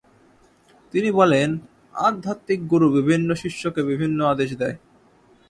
তিনি বলেন আধ্যাত্মিক গুরু বিভিন্ন শিষ্যকে বিভিন্ন আদেশ দেয়।